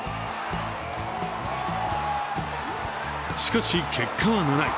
しかし結果は７位。